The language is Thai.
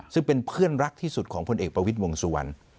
ซึ่งเป็นเพื่อนรักที่สุดของพลเอกประวิทย์วงสุวรรณ